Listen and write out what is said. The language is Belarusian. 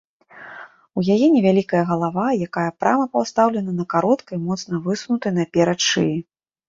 У яе невялікая галава, якая прама пастаўлена на кароткай, моцна высунутай наперад шыі.